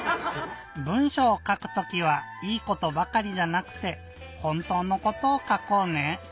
文しょうをかくときはいいことばかりじゃなくてほんとうのことをかこうね！